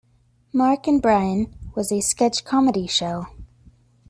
"Mark and Brian" was a sketch comedy show.